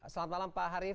selamat malam pak harif